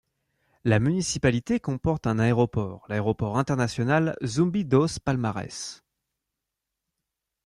La municipalité comporte un aéroport, l'aéroport international Zumbi dos Palmares.